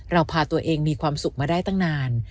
พาตัวเองมีความสุขมาได้ตั้งนาน